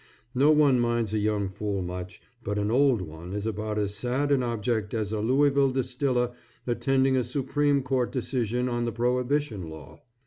No one minds a young fool much, but an old one is about as sad an object as a Louisville distiller attending a Supreme Court decision on the prohibition law.